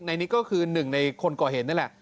นายนิกก็คือ๑ในคนก่อเหตุนั่นแหละ